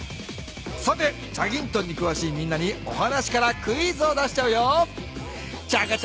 さて『チャギントン』にくわしいみんなにお話からクイズを出しちゃうよ。